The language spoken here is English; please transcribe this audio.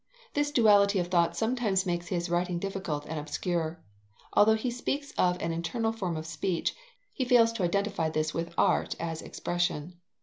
This duality of thought sometimes makes his writing difficult and obscure. Although he speaks of an internal form of speech, he fails to identify this with art as expression.